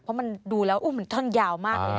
เพราะมันดูแล้วมันท่อนยาวมากเลยนะ